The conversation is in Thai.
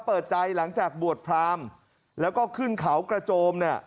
เปิดใจหลังจากบวชพรามแล้วก็ขึ้นเขากระโจมเนี่ย